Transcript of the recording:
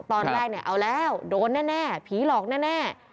ตอนแรกเนี่ยเอาแล้วโดนแน่ผีหลอกแน่